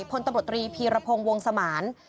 พลตำรวจรีภีรพงศ์วงศ์สมาร์น